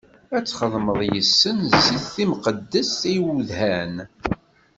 Ad txedmeḍ yis-sen zzit timqeddest i udhan.